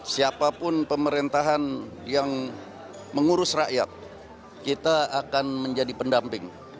siapapun pemerintahan yang mengurus rakyat kita akan menjadi pendamping